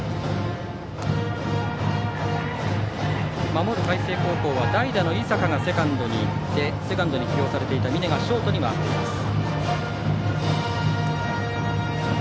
守る海星高校は代打の井坂がセカンドに行ってセカンドに起用されていた峯がショートに回っています。